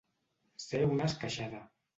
Ser una esqueixada.